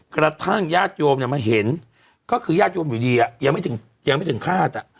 ญาติโยมมาเห็นก็คือญาติโยมอยู่ดียังไม่ถึงคาด